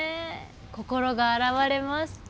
心が洗われます。